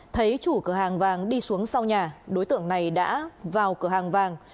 thấy chủ cửa hàng vàng đi xuống sau nhà đối tượng này đã vào cửa hàng vàng